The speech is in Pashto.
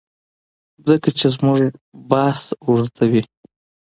ځکه چي زموږ بحث اوږديوي